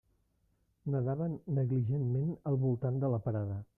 Nadaven negligentment al voltant de la parada.